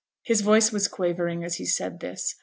His voice was quavering as he said this.